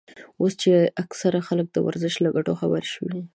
اوس چې اکثره خلک د ورزش له ګټو خبر شوي.